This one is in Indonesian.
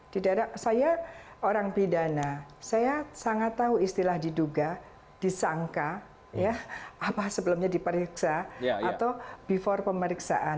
di daerah saya orang pidana saya sangat tahu istilah diduga disangka ya apa sebelumnya diperiksa atau before pemeriksaan